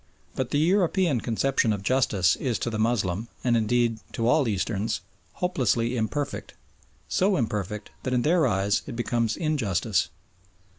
But the European conception of justice is to the Moslem, and indeed to all Easterns, hopelessly imperfect, so imperfect that in their eyes it becomes injustice.